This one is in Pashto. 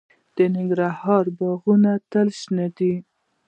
د ننګرهار باغونه تل شنه دي.